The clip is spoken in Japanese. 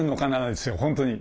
ですよ本当に。